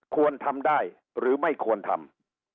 ควรทำได้หรือไม่ควรทำ